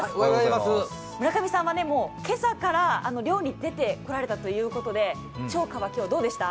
村上さんは今朝から漁に出てこられたということで釣果は今日、どうでした？